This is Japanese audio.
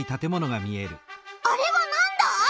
あれはなんだ？